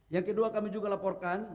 yang kedua kami juga laporkan